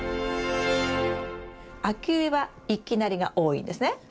秋植えは一季なりが多いんですね。